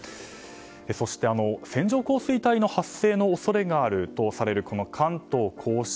そして、線状降水帯の発生の恐れがあるとされる関東・甲信。